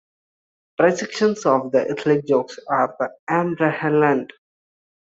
Perceptions of ethnic jokes are ambivalent.